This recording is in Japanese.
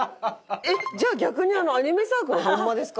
えっじゃあ逆にあのアニメサークルホンマですか？